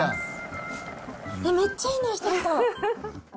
めっちゃいい匂いしてるけど。